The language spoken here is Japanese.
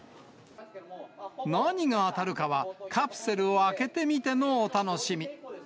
何が当たるかはカプセルを開けてみてのお楽しみ。